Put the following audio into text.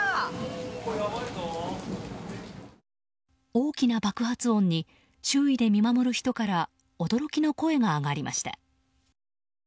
大きな爆発音に周囲で見守る人から驚きの声が上がりました。